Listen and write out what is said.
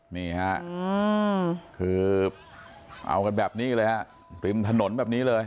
นี่ฮะคือเอากันแบบนี้เลยฮะริมถนนแบบนี้เลย